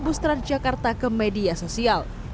bus transjakarta ke media sosial